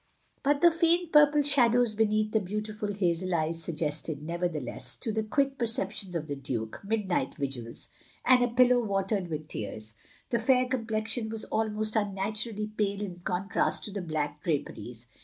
But the faint purple shadows beneath the beautiful hazel eyes suggested, nevertheless, to the quick perceptions of the Duke, midnight vigils, and a pillow watered with tears; the fair complexion was almost unnaturally pale in contrast to the black draperies.